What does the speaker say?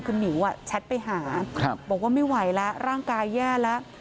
คือหมิวแชทไปหาบอกว่าไม่ไหวแล้วร่างกายแย่แล้ว